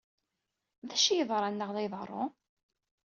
D acu ay yeḍran neɣ la iḍerru?